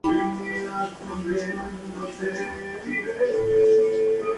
No se pueden utilizar lápices u otros materiales no conductores como punteros.